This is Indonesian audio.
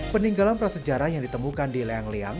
peninggalan prasejarah yang ditemukan di leang leang